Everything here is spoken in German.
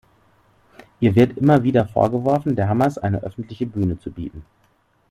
Ihr wird immer wieder vorgeworfen, der Hamas eine öffentliche Bühne zu bieten.